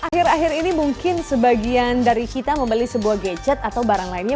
akhir akhir ini mungkin sebagian dari kita membeli sebuah gadget atau barang lainnya